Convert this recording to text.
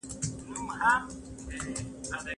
آیا تیږه تر لرګي کلکه ده؟